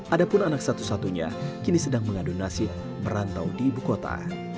ada pun anak satu satunya kini sedang mengadu nasib merantau di ibu kota